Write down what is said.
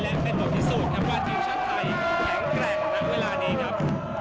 และเป็นตรงที่สูงครับว่าทีมชั้นไทยแข็งแกร่งตั้งเวลานี้ครับ